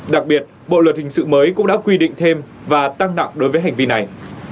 đặc biệt bộ luật hình sự mới cũng đã quy định thêm và tăng nặng đối với hành vi này